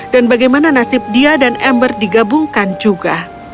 dan bagaimana nasib dia dan ember digabungkan juga